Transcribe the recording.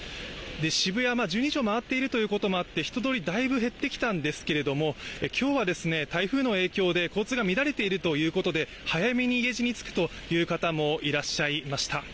渋谷、１２時を回っているということもあって人通りだいぶ減ってきたんですが今日は台風の影響で交通が乱れているということで早めに家路につくという方もいらっしゃいました。